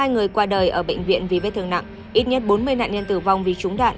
hai người qua đời ở bệnh viện vì vết thương nặng ít nhất bốn mươi nạn nhân tử vong vì trúng đạn